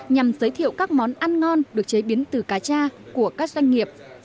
nhằm giới thiệu các món ăn ngon được chế biến từ cá cha của các doanh nghiệp